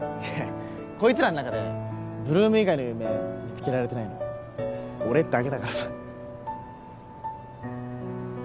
こいつらの中で８ＬＯＯＭ以外の夢見つけられてないの俺だけだからさ